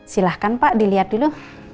silahkan pak dilihat dulu